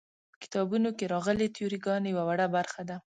په کتابونو کې راغلې تیوري ګانې یوه وړه برخه ده.